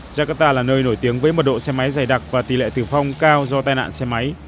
jakarta là nơi nổi tiếng với mật độ xe máy dày đặc và tỷ lệ tử vong cao do tai nạn xe máy